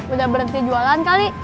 udah berhenti jualan kali